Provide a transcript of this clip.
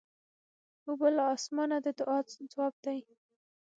اوبه له اسمانه د دعا ځواب دی.